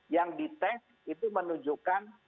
yang di tes itu menunjukkan